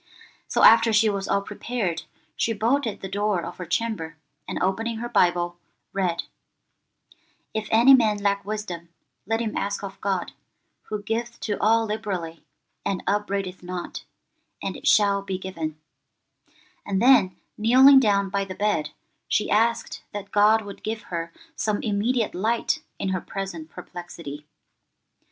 So after she was all prepared, she bolted the door of her chamber, and opening her Bible, read, 'If any man lack wisdom, let him ask of God, who giveth to all liberally and upbraideth not, and it shall be given;' and then kneeling down by the bed, she asked that God would give her some immediate light in her present perplexity.